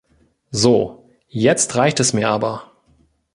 So, jetzt reicht es mir aber.